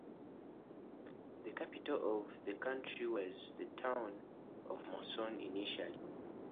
The capital of the county was the town of Moson initially.